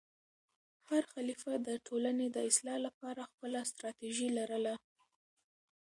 هر خلیفه د ټولنې د اصلاح لپاره خپله ستراتیژي لرله.